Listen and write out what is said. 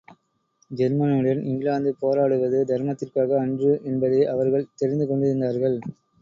ஜெர்மனியுடன் England போராடுவது தர்மத்திற்காக அன்று என்பதை அவர்கள் தெரிந்து கொண்டிருந்தார்கள்.